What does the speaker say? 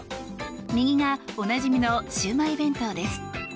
右が、おなじみのシウマイ弁当です。